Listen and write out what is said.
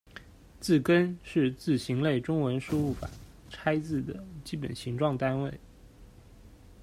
字根是字形类中文输入法拆字的基本形状单位。